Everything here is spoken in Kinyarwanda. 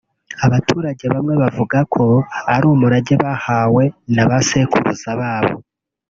Abaturage bamwe bavuga ko ari umurage bahawe n’abasekuruza babo